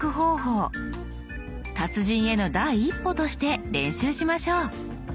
達人への第一歩として練習しましょう。